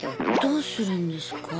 どうするんですか？